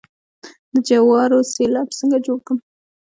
د جوارو سیلاج څنګه جوړ کړم؟